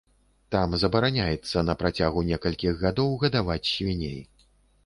Там забараняецца на працягу некалькіх гадоў гадаваць свіней.